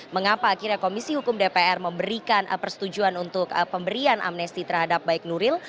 mengapa akhirnya komisi hukum dpr memberikan persetujuan untuk pemberian amnesti terhadap baik nuril